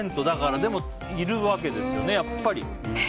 でもいるわけですね、やっぱり。